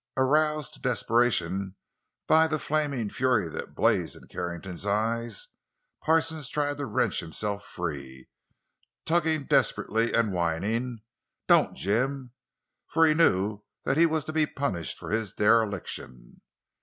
Aroused to desperation by the flaming fury that blazed in Carrington's eyes, Parsons tried to wrench himself free, tugging desperately, and whining: "Don't, Jim!" For he knew that he was to be punished for his dereliction.